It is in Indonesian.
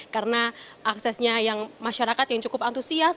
karena aksesnya yang masyarakat yang cukup antusias